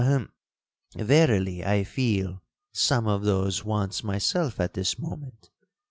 —hem—verily I feel some of those wants myself at this moment.